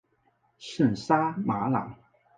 圣沙马朗。